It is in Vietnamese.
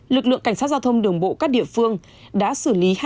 lực lượng cảnh sát giao thông đường bộ các địa phương đã xử lý hai mươi bốn sáu mươi sáu